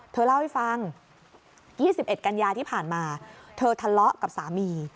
เธอเล่าให้ฟังยี่สิบเอ็ดกัญญาที่ผ่านมาเธอทะเลาะกับสามี